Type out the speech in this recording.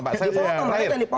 karena dipotong pak